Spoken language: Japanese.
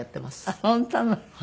あっ本当。